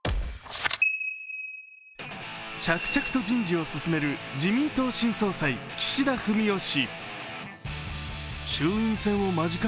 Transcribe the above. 着々と人事を進める自民党新総裁・岸田文雄氏。